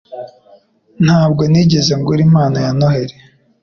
Ntabwo nigeze ngura impano ya Noheri.